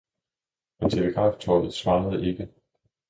Men telegraftovet svarede ikke.